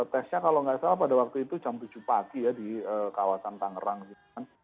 tesnya kalau nggak salah pada waktu itu jam tujuh pagi ya di kawasan tangerang gitu kan